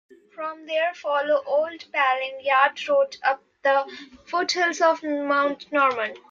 From there follow Old Paling Yard Road up the foot hills of Mount Norman.